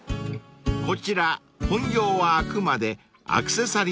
［こちら本業はあくまでアクセサリー製造］